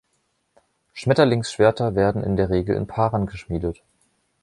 Schmetterlingsschwerter werden in der Regel in Paaren geschmiedet.